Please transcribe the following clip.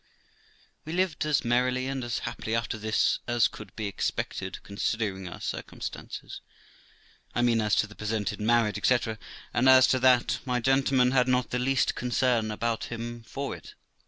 We lived as merrily and as happily after this as could be expected, considering our circumstances; I mean as to the pretended marriage, etc.; and as to that, my gentleman had not the least concern about him for it.